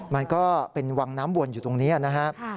มันก็เป็นวังน้ำวนอยู่ตรงนี้นะครับ